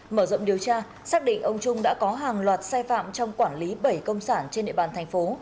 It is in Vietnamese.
mở rộng điều tra xác định ông trung đã có hàng loạt sai phạm trong quản lý bảy công sản trên địa bàn thành phố